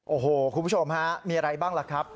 โอ้โหคุณผู้ชมฮะมีอะไรบ้างล่ะครับ